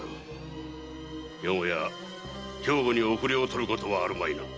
よもや兵庫に後れを取ることはあるまいな？